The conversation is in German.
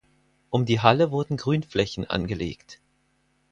Um die Halle wurden Grünflächen angelegt.